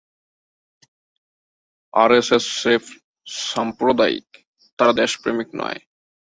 RSS স্রেফ সাম্প্রদায়িক, তারা দেশপ্রেমিক নয়।